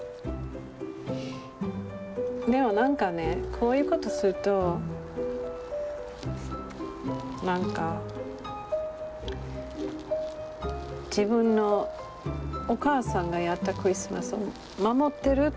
でもなんかねこういう事するとなんか自分のお母さんがやったクリスマスを守ってる気分になるから。